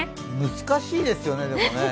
難しいですよね、でもね。